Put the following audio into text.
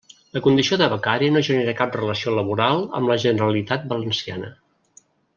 La condició de becari no genera cap relació laboral amb la Generalitat Valenciana.